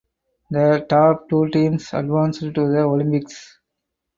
The top two teams advanced to the Olympics.